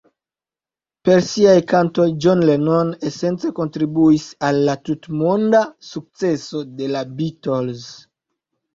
Per siaj kantoj John Lennon esence kontribuis al la tutmonda sukceso de la Beatles.